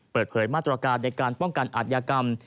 เปิดเผยมาตรการในการป้องกันอาทยากรรม